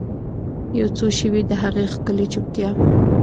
یوڅو شیبې د هغې ښکلې چوپتیا